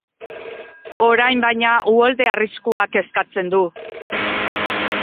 Orain, baina, uholde arriskuak kezkatzen du.